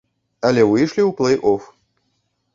Але выйшлі ў плэй-оф.